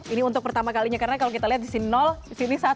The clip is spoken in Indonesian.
ini untuk pertama kalinya karena kalau kita lihat di sini satu